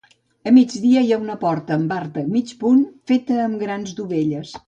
A migdia hi ha una porta amb arc de mig punt feta amb grans dovelles.